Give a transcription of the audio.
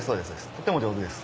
とっても上手です。